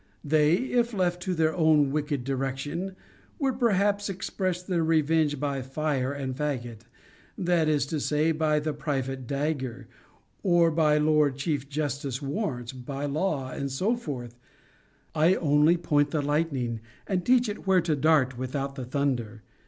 They, if left to their own wicked direction, would perhaps express their revenge by fire and faggot; that is to say, by the private dagger, or by Lord Chief Justices' warrants, by law, and so forth: I only point the lightning, and teach it where to dart, without the thunder.